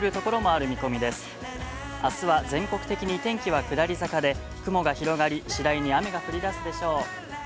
あすは全国的に天気は下り坂で、雲が広がり、次第に雨が降りだすでしょう。